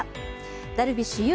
ダルビッシュ有